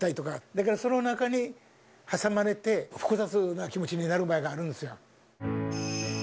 だからその中に挟まれて、複雑な気持ちになる場合があるんですよ。